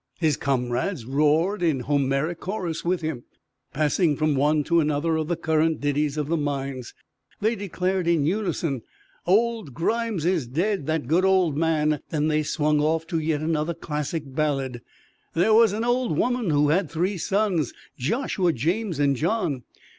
His comrades roared in Homeric chorus with him, passing from one to another of the current ditties of the mines. They declared in unison, "Old Grimes is dead, that good old man!" Then they swung off to yet another classic ballad: _There was an old woman who had three sons Joshua, James and John!